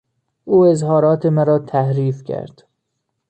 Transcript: او اظهارات مرا تحریف کرد.